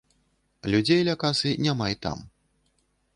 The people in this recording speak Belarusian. Людзей ля касы няма і там.